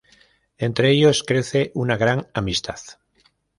Entre ellos crece una gran amistad.